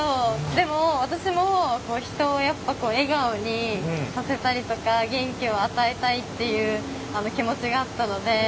でも私も人をやっぱ笑顔にさせたりとか元気を与えたいっていう気持ちがあったので。